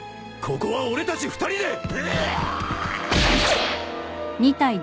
ここは俺たち二人で。